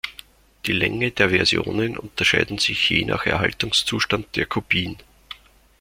Die Länge der Versionen unterscheiden sich je nach Erhaltungszustand der Kopien.